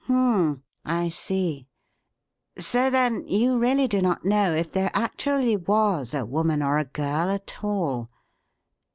"Hum m m! I see! So, then, you really do not know if there actually was a woman or a girl at all?